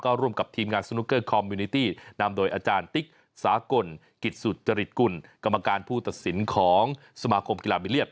ร่วมกับทีมงานสนุกเกอร์คอมมิวนิตี้นำโดยอาจารย์ติ๊กสากลกิจสุจริตกุลกรรมการผู้ตัดสินของสมาคมกีฬาบิเลีย